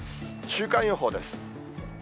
週間予報です。